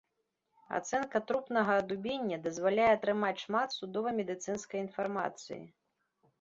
Ацэнка трупнага адубення дазваляе атрымаць шмат судова-медыцынскай інфармацыі.